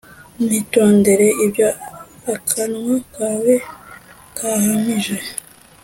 nitondere ibyo akanwa kawe kahamije